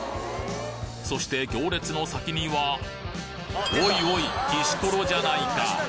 そして行列の先にはおいおいきしころじゃないか！